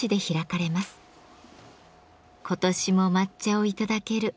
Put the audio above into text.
「今年も抹茶をいただける」